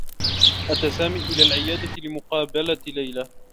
أتى سامي إلى العيادة لمقابلة ليلى.